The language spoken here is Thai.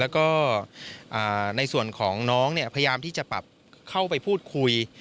แล้วก็ในส่วนของน้องพยายามที่จะปรับเข้าไปพูดคุย